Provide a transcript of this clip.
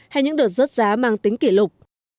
hay những đợt rớt giá mang tính kỷ lục